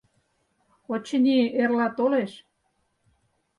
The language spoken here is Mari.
Очыни, эрла толеш.